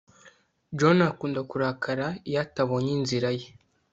John akunda kurakara iyo atabonye inzira ye